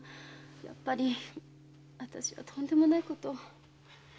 やっぱり私はとんでもないことを。